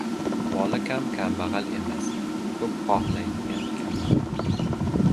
• Moli kam kambag‘al emas, ko‘p xohlaydigan ― kambag‘al.